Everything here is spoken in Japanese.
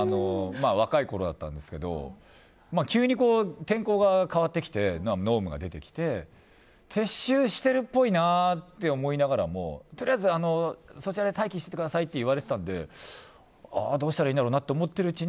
若いころだったんですけど急に天候が変わってきて濃霧が出てきて撤収してるっぽいなと思いながらも、とりあえずそちらで待機してくださいって言われていたのでどうしたらいいんだろうとどうしたんですか？